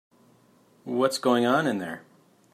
What's going on in there?